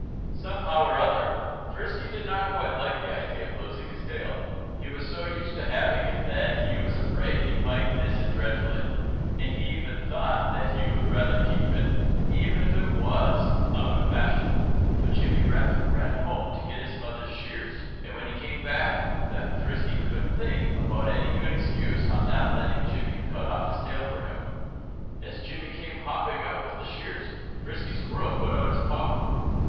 Somehow or other, Frisky did not quite like the idea of losing his tail. He was so used to having it that he was afraid he might miss it dreadfully. And he even thought that he would rather keep it even if it was out of fashion. But Jimmy Rabbit ran home to get his mother's shears. And when he came back with them Frisky couldn't think of any good excuse for not letting Jimmy cut off his tail for him. As Jimmy came hopping up with the shears, Frisky Squirrel put out his paw.